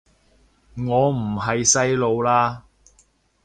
我唔係細路喇